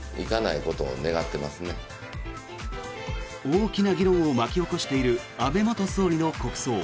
大きな議論を巻き起こしている安倍元総理の国葬。